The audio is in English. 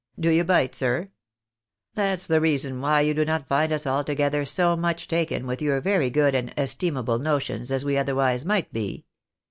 Do you bite, sir ? That's the rea son why you do not find us altogether so much taken with your very good and esteemahle notions as we otherwise might be.